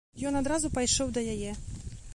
Ён адразу пайшоў да яе.